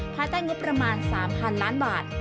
ภายใต้งบประมาณ๓๐๐๐ล้านบาท